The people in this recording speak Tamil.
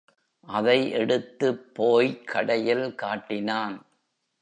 அதை எடுத்துப் போய்க் கடையில் காட்டினான்.